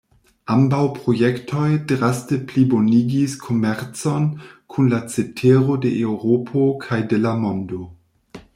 Ambaŭ projektoj draste plibonigis komercon kun la cetero de Eŭropo kaj de la mondo.